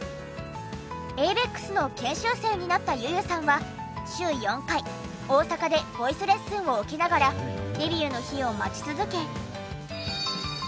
ａｖｅｘの研修生になったｙｕ−ｙｕさんは週４回大阪でボイスレッスンを受けながらデビューの日を待ち続け。